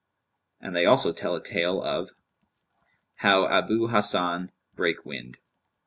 And they also tell a tale of HOW ABU HASAN BRAKE WIND.